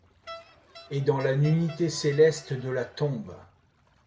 Et dans la nudité célèste de la tombe